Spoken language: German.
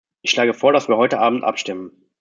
Ich schlage vor, dass wir heute abend abstimmen!